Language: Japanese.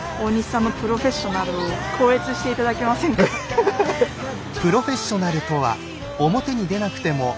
アハハハハ！